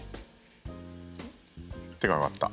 手が挙がった。